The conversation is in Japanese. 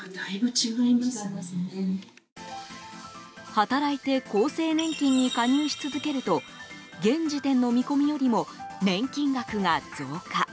働いて厚生年金に加入し続けると現時点の見込みよりも年金額が増加。